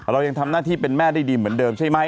เรายังทำหน้าที่เป็นแม่ได้ดีเหมือนเดิมใช่ไหม